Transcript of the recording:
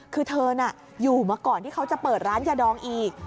คือเธอน่ะอยู่มาก่อนที่เขาจะเปิดร้านยาดองอีก